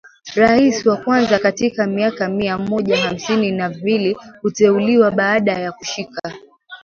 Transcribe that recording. rais wa kwanza katika miaka mia moja hamsini na mbili kuteuliwa baada ya kushika